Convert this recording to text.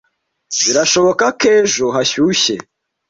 Birashoboka ko ejo hashyushye.